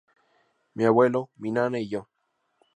Mi abuelo, mi nana y yo.